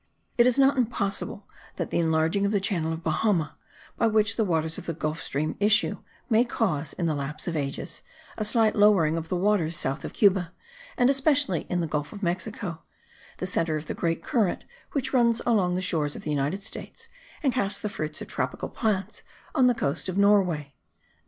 It is not impossible that the enlarging of the channel of Bahama, by which the waters of the Gulf stream issue, may cause, in the lapse of ages, a slight lowering of the waters south of Cuba, and especially in the gulf of Mexico, the centre of the great current which runs along the shores of the United States, and casts the fruits of tropical plants on the coast of Norway.